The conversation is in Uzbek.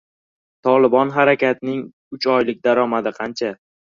«Tolibon» harakatning uch oylik daromadi qancha?